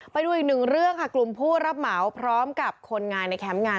ไปดูอีกหนึ่งเรื่องค่ะกลุ่มผู้รับเหมาพร้อมกับคนงานในแคมป์งาน